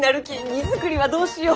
荷造りはどうしよう？